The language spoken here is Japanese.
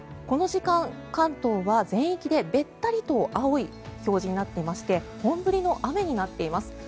この時間、関東は全域でべったりと青い表示になっていまして本降りの雨になっています。